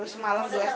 semalam di usg